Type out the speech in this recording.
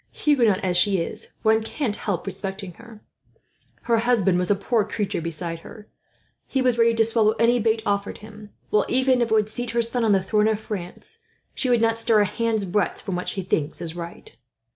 Huguenot as she is, one can't help respecting her. Her husband was a poor creature, beside her. He was ready to swallow any bait offered him; while, even if it would seat her son on the throne of France, she would not stir a hand's breadth from what she thinks right."